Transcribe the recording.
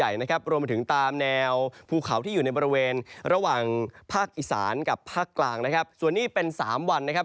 อีสานกับภาคกลางนะครับส่วนนี้เป็นสามวันนะครับ